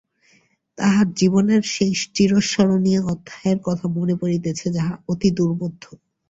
তাঁহার জীবনের সেই চিরস্মরণীয় অধ্যায়ের কথা মনে পড়িতেছে, যাহা অতি দুর্বোধ্য।